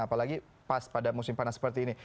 apalagi pas pada musim panas seperti ini